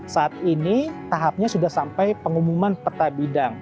saat ini tahapnya sudah sampai pengumuman peta bidang